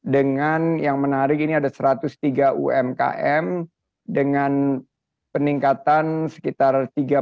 dengan yang menarik ini ada satu ratus tiga umkm dengan peningkatan sekitar tiga puluh